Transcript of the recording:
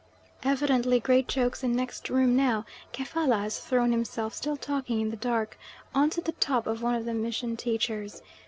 Evidently great jokes in next room now; Kefalla has thrown himself, still talking, in the dark, on to the top of one of the mission teachers.